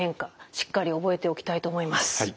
しっかり覚えておきたいと思います。